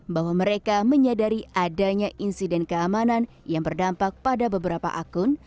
bahwa mereka menyadari adanya insiden keamanan yang berdampak pada beberapa akun